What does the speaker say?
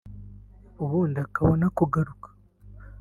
ubundi akabona kugaruka